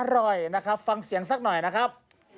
อร่อยนะครับฟังเสียงสักหน่อยนะครับ